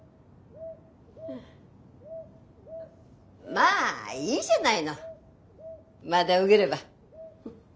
まあいいじゃないのまだ受げれば。